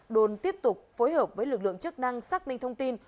đồn tiếp tục phối hợp với lực lượng chức năng xác minh thông tin